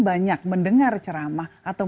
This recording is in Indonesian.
banyak mendengar ceramah atau